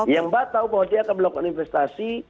yang mbak tahu bahwa dia akan melakukan investasi